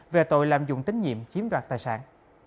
về tội lạm dụng tín nhiệm chiếm đoạt tài sản